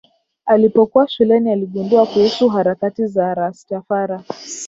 Alipokuwa shuleni aligundua kuhusu harakati za Rastafara